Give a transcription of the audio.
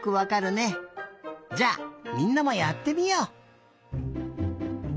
じゃあみんなもやってみよう。